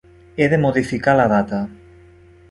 He de modificar la data.